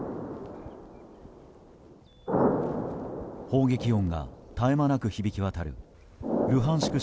砲撃音が絶え間なく響き渡るルハンシク